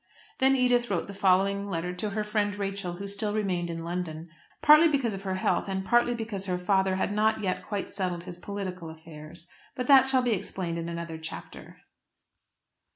Then Edith wrote the following letter to her friend Rachel, who still remained in London, partly because of her health and partly because her father had not yet quite settled his political affairs. But that shall be explained in another chapter.